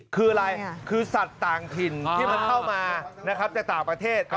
คืออะไรคือสัตว์ต่างถิ่นที่เขามาแต่ต่างประเทศ